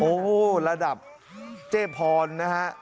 โอ้โหระดับเจ๊พรนะฮะ